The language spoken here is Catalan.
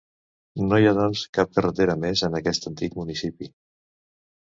No hi ha, doncs, cap carretera més, en aquest antic municipi.